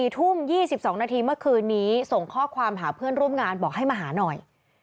๔ทุ่ม๒๒นาทีเมื่อคืนนี้ส่งข้อความหาเพื่อนร่วมงานบอกให้มาหาหน่อย